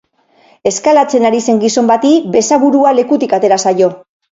Eskalatzen ari zen gizon bati besaburua lekutik atera zaio.